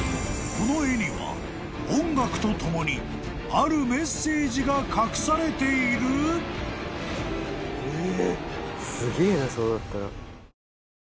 ［この絵には音楽とともにあるメッセージが隠されている？］えっ！？